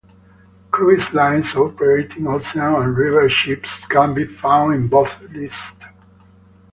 Cruise lines operating ocean and river ships can be found in both lists.